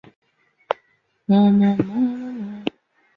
吴城杯殖吸虫为同盘科杯殖属的动物。